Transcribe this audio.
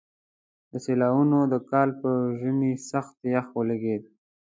د سېلاوونو د کال په ژمي سخت يخ ولګېد.